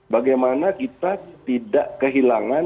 bagaimana kita tidak kehilangan